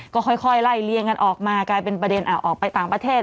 ก็ค่อยไล่เลี่ยงกันออกมากลายเป็นประเด็นออกไปต่างประเทศ